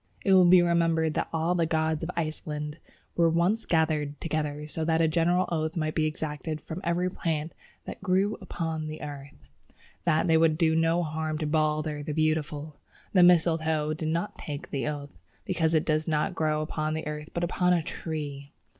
It will be remembered that all the gods of Iceland were once gathered together so that a general oath might be exacted of every plant "that grew upon the earth," that they would do no harm to Balder the Beautiful. The Mistletoe did not take the oath, because it does not grow upon the earth but upon a tree.